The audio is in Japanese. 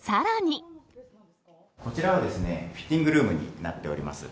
こちらはですね、フィッティングルームになっております。